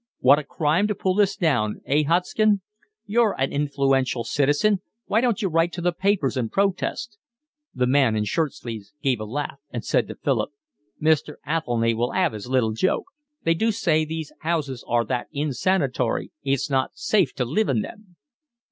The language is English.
"What a crime to pull this down, eh, Hodgson? You're an influential citizen, why don't you write to the papers and protest?" The man in shirt sleeves gave a laugh and said to Philip: "Mr. Athelny will 'ave his little joke. They do say these 'ouses are that insanitory, it's not safe to live in them."